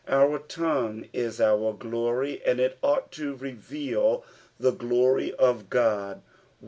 Our tongue is our glory, and It ought to. reveal the glory of God.